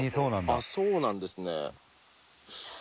あっそうなんですね。